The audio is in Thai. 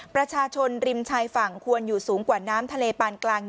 ประชาชนริมชายฝั่งควรอยู่สูงกว่าน้ำทะเลปานกลาง